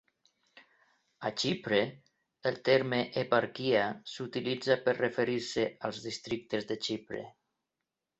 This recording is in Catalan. A Xipre, el terme "eparquia" s'utilitza per referir-se als districtes de Xipre.